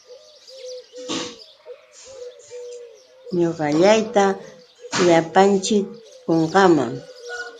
Ñuqallayta llapanñaćhiki qunqaaman.